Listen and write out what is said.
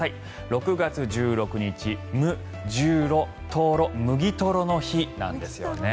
６月１６日、む、じゅうろ麦とろの日なんですよね。